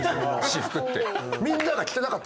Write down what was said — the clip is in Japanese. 私服って。